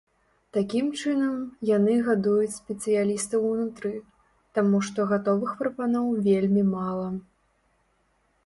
Такім чынам, яны гадуюць спецыялістаў унутры, таму што гатовых прапаноў вельмі мала.